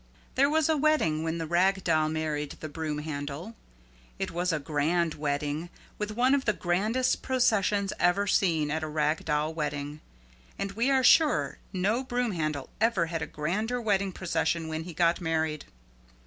There was a wedding when the Rag Doll married the Broom Handle. It was a grand wedding with one of the grandest processions ever seen at a rag doll wedding. And we are sure no broom handle ever had a grander wedding procession when he got married.